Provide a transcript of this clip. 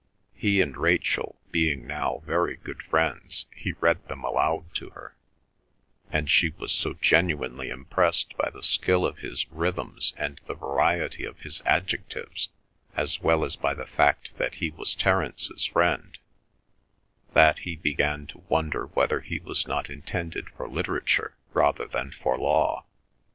He and Rachel being now very good friends, he read them aloud to her, and she was so genuinely impressed by the skill of his rhythms and the variety of his adjectives, as well as by the fact that he was Terence's friend, that he began to wonder whether he was not intended for literature rather than for law.